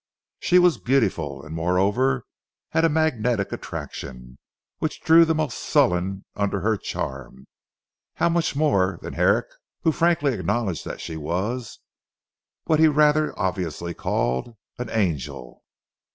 She was beautiful, and moreover had a magnetic attraction, which drew the most sullen under her charm. How much more then Herrick, who frankly acknowledged that she was what he rather obviously called an angel.